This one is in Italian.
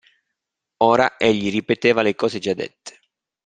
Ora egli ripeteva le cose già dette.